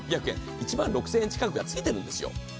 １万６０００円近くがついているんですよ。